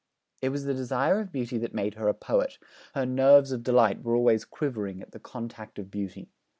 It was the desire of beauty that made her a poet; her 'nerves of delight' were always quivering at the contact of beauty.